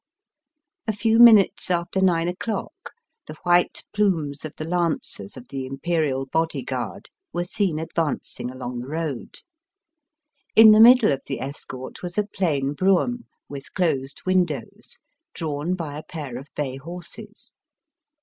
A few minutes after nine o'clock the white plumes of the Lancers of the Imperial Body Guard were seen advancing along the road. In the middle of the escort was a plain brougham, with closed windows, drawn by a pair of bay horses.